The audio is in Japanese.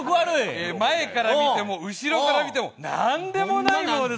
前から見ても後ろから見ても何でもないものです。